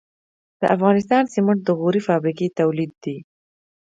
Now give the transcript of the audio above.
د افغانستان سمنټ د غوري فابریکې تولید دي